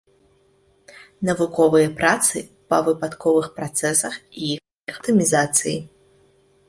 Навуковыя працы па выпадковых працэсах і іх аптымізацыі.